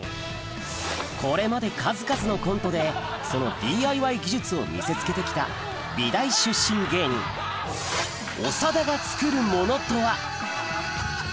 これまで数々のコントでそのＤＩＹ技術を見せつけて来た美大出身芸人うんやっぱ。